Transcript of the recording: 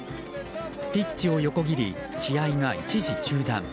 ピッチを横切り、試合が一時中断。